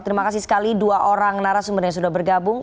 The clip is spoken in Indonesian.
terima kasih sekali dua orang narasumber yang sudah bergabung